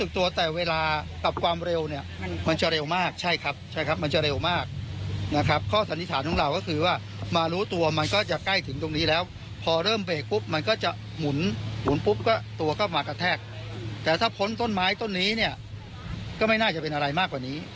แต่ถ้าพ้นต้นไม้ต้นนี้เนี่ยก็ไม่น่าจะเป็นอะไรมากกว่านี้